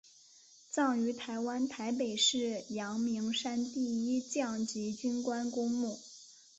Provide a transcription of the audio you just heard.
葬于台湾台北市阳明山第一将级军官公墓